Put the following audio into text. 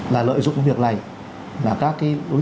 là lợi dụng việc này là các cái đối